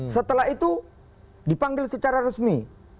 setelah itu dipanggil secara resmi